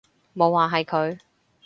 冇話係佢